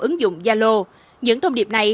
ứng dụng gia lô những thông điệp này